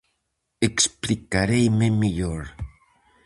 Explicareime mellor.